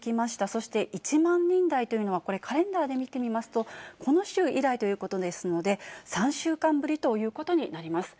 そして１万人台というのは、これ、カレンダーで見てみますと、この週以来ということですので、３週間ぶりということになります。